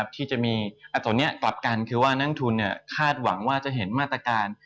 ที่จะมีตัวนี้กลับกันคือว่านักทุนคาดหวังว่าจะเห็นมาตรการ